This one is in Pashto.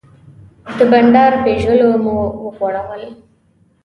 د بانډار پیژلونه مو وغوړول.